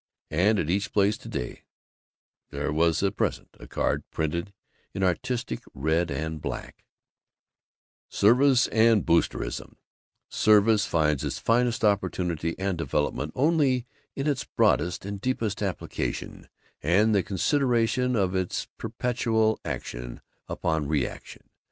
And at each place, to day, there was a present; a card printed in artistic red and black: SERVICE AND BOOSTERISM Service finds its finest opportunity and development only in its broadest and deepest application and the consideration of its perpetual action upon reaction.